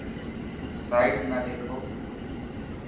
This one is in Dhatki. سائيٽ نا ڏيکو.